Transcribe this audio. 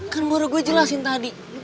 kan baru gue jelasin tadi